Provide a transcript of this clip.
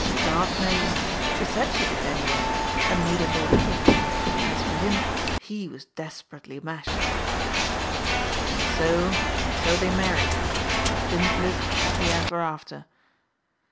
" God knows ! she said she did, any way ; and made him believe it. As for him, he was des perately mashed." " And so — and so they married, but didn't live happy ever after."